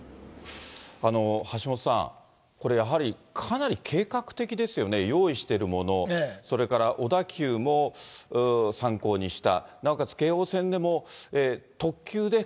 橋下さん、これ、やはり、かなり計画的ですよね、用意してるもの、それから小田急も参考にした。